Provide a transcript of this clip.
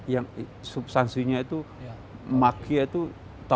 yang subsansinya itu makkiyah itu tauhid gitu kan